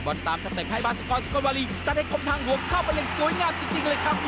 โปรดติดตามตอนต่อไป